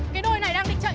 cái đôi này đang định chạy